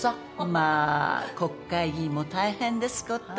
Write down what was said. まあ国会議員も大変ですこと。